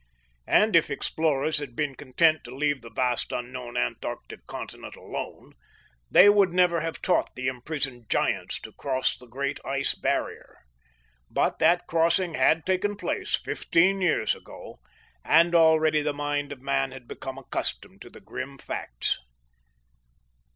And if explorers had been content to leave the vast unknown Antarctic Continent alone, they would never have taught the imprisoned Giants to cross the great ice barrier. But that crossing had taken place fifteen years ago, and already the mind of man had become accustomed to the grim facts.